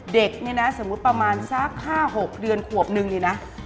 เด็กนี่นะสมมุติประมาณสัก๕๖เดือนขวบนึงเลยนะ